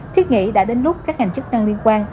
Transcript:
thiết nghĩ đã đến lúc các ngành chức năng liên quan